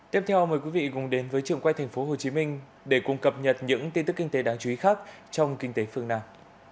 tiếp theo mời quý vị cùng đến với trường quay tp hcm để cùng cập nhật những tin tức kinh tế đáng chú ý khác trong kinh tế phương nam